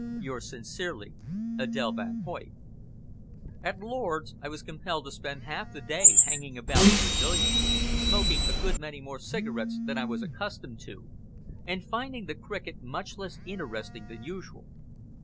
"Yours sincerely, "ADÈLE VAN HOYT." At Lord's I was compelled to spend half the day hanging about the pavilion, smoking a good many more cigarettes than I was accustomed to, and finding the cricket much less interesting than usual.